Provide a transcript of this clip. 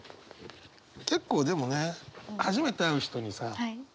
結構でもね初めて会う人にさ聞くもんね。